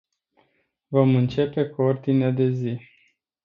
Vom începe cu ordinea de zi.